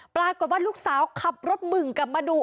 ปรากฏว่าลูกสาวขับรถบึ่งกลับมาดู